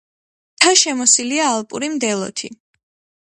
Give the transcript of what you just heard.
მთა შემოსილია ალპური მდელოთი.